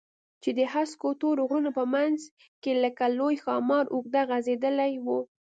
چې د هسکو تورو غرونو په منځ کښې لکه لوى ښامار اوږده غځېدلې وه.